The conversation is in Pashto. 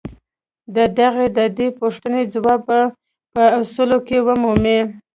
د هغه د دې پوښتنې ځواب به په اصولو کې ومومئ.